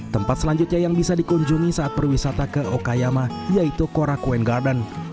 tempat selanjutnya yang bisa dikunjungi saat perwisata ke okayama yaitu cora queen garden